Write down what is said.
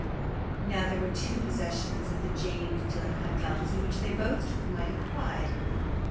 Now, there were two possessions of the James Dillingham Youngs in which they both took a mighty pride.